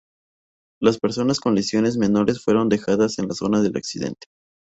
Las personas con lesiones menores fueron dejadas en la zona del accidente.